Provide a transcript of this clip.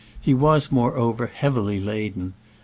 He was, more over, heavily laden.